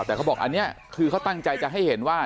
แต่เขาบอกอันนี้คือเขาตั้งใจจะให้เห็นว่า